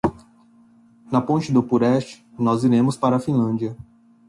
Na ponte do Purest nós iremos para a Finlândia.